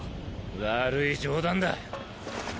悪い冗談だ。